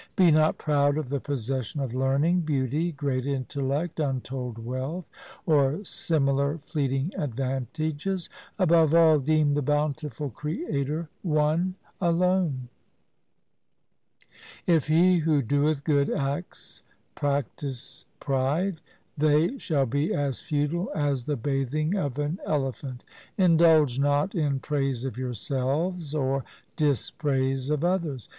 Be not proud of the possession of learning, beauty, great intellect, untold wealth, or similar fleeting advantages. Above all deem the bountiful Creator One alone. 4 If he who doeth good acts practise pride, they shall be as futile as the bathing of an elephant. Indulge not in praise of yourselves or dispraise of others.